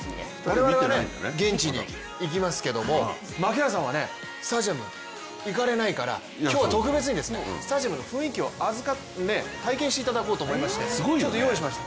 我々は現地に行きますけれども、槙原さんはスタジアム行かれないから今日は特別にスタジアムの雰囲気を体験してもらうためにちょっと用意しました。